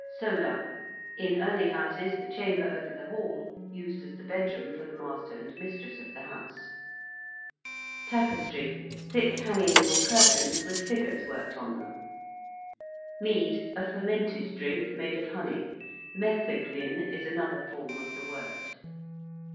~solar~: in early houses the chamber over the hall, used as the bedroom for the master and mistress of the house. (See picture on p. 73.) ~tapestry~: thick hangings or curtains with figures worked on them. ~mead~: a fermented drink made of honey: metheglin is another form of the word.